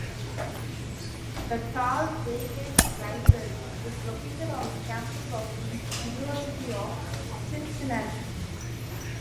The Carl Blegen Library is located on the campus of the University of Cincinnati.